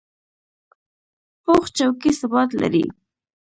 پوخ چوکۍ ثبات لري